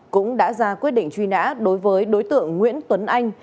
cũng đã ra quyết định truy nã đối với đối tượng nguyễn tuấn anh